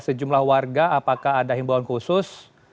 sejumlah warga apakah ada himbauan khusus